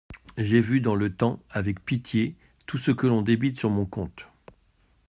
J'ai vu dans le temps avec pitié tout ce que l'on débite sur mon compte.